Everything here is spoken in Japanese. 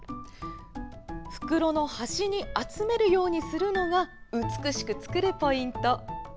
袋の端に集めるようにするのが美しく作るポイント。